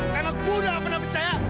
karena gue udah gak pernah percaya